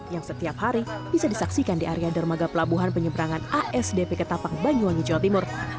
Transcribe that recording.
yang setiap hari bisa disaksikan di area dermaga pelabuhan penyeberangan asdp ketapang banyuwangi jawa timur